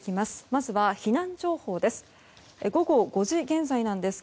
まずは避難情報です。